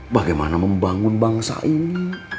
bagaimana membangun bangsa ini